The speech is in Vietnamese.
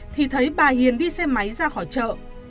thì thấy bà hiền đi xe máy ra khỏi chợ